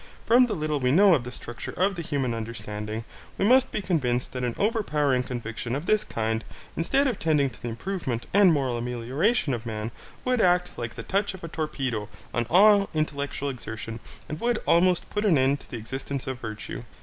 From the little we know of the structure of the human understanding, we must be convinced that an overpowering conviction of this kind, instead of tending to the improvement and moral amelioration of man, would act like the touch of a torpedo on all intellectual exertion and would almost put an end to the existence of virtue.